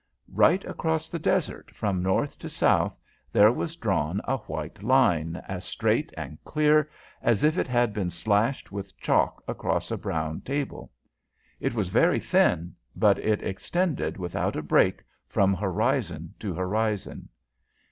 Right across the desert, from north to south, there was drawn a white line, as straight and clear as if it had been slashed with chalk across a brown table. It was very thin, but it extended without a break from horizon to horizon.